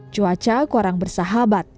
cuaca kurang bersahabat